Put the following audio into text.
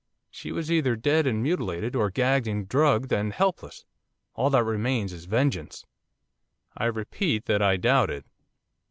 She was either dead and mutilated, or gagged and drugged and helpless. All that remains is vengeance.' 'I repeat that I doubt it.